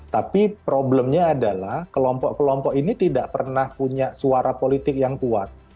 tapi problemnya adalah kelompok kelompok ini tidak pernah punya suara politik yang kuat